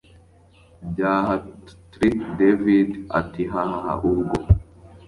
byahatr david ati hahaha ubwo